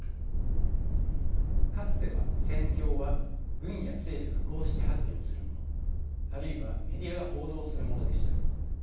かつては戦況は軍や政府が公式発表するものあるいはメディアが報道するものでした。